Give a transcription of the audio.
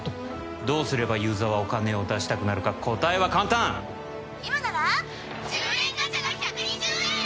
どうすればユーザーはお金を出したくなるか答えは簡単今なら１０連ガチャが１２０円！